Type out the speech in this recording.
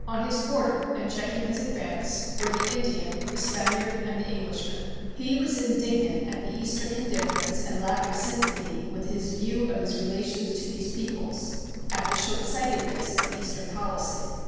On his border, and checking his advance, were the Indian, the Spaniard, and the Englishman. He was indignant at Eastern indifference and lack of sympathy with his view of his relations to these peoples; at the short sightedness of Eastern policy.